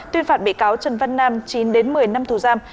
tuyên phạt bị cáo trần văn nam chín đến một mươi năm thù giam